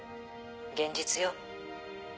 現実よ。